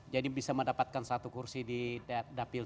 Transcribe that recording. jadi bisa mendapatkan satu kursi di dapil